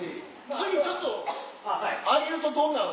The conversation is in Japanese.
次ちょっと上げるとどんなん？